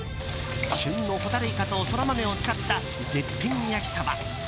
旬のホタルイカとソラマメを使った絶品焼きそば。